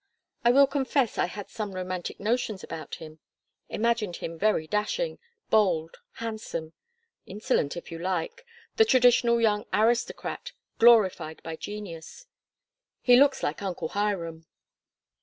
I will confess I had some romantic notions about him: imagined him very dashing, bold, handsome; insolent, if you like the traditional young aristocrat, glorified by genius. He looks like Uncle Hiram."